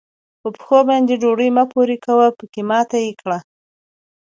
په پښو باندې ډوډۍ مه پورې کوه؛ پکې ماته يې کړه.